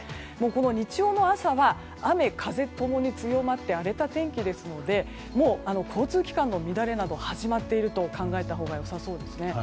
日曜の朝は雨風共に強まって荒れた天気ですので交通機関の乱れなどが始まっていると考えたほうが良さそうですね。